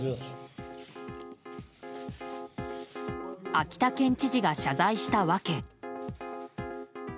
秋田県知事が謝罪した訳。